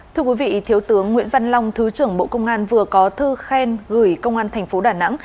thưa quý vị thiếu tướng nguyễn văn long thứ trưởng bộ công an vừa có thư khen gửi công an thành phố đà nẵng